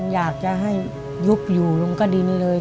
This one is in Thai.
อยากจะให้ยุบอยู่ลงกระดินเลย